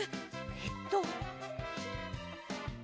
えっと。